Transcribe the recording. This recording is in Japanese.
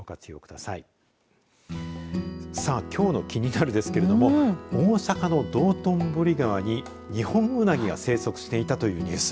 さあ、きょうのキニナル！ですけど大阪の道頓堀川に二ホンウナギが生息していたというニュース。